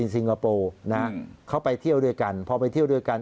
ซิงคโปร์เขาไปเที่ยวด้วยกันพอไปเที่ยวด้วยกัน